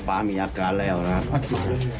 ข่อยไว้ป่าวค่ะได้ครับได้